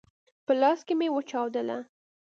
په لاس کي مي وچاودله !